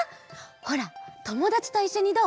ほらともだちといっしょにどう？